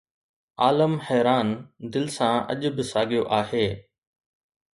عالم حيران دل سان اڄ به ساڳيو آهي